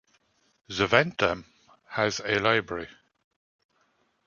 Zaventem has a library.